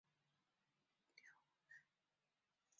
用户可以方便的浏览可用的包。